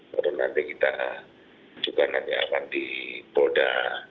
baru nanti kita juga nanti akan di polda